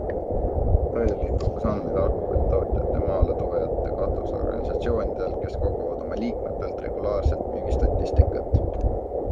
Toiduliit kogus andmed alkoholitootjate- ja maaletoojate katusorganisatsioonidelt, kes koguvad oma liikmetelt regulaarselt müügistatistikat.